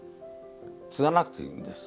継がなくていいんです。